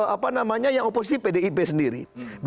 dua ribu empat apa namanya yang oposisi pdip sendiri